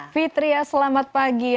fitria selamat pagi